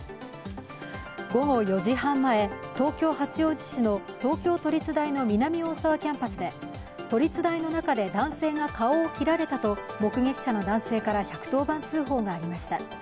午後４時半前、東京・八王子市の東京都立大の南大沢キャンパスで都立大の中で男性が顔を切られたと目撃者の男性から１１０番通報がありました。